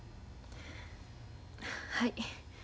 はい。